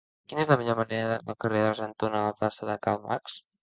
Quina és la millor manera d'anar del carrer d'Argentona a la plaça de Karl Marx?